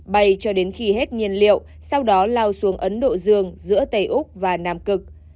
bay cho đến khi hết nhiên liệu sau đó lao xuống ấn độ dương giữa tây úc và nam cực